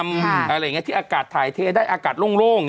อะไรอย่างนี้ที่อากาศถ่ายเทได้อากาศโล่ง